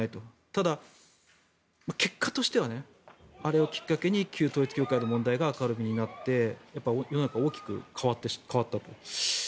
ただ、結果としてはあれをきっかけに旧統一教会の問題が明るみになって世の中が大きく変わったと。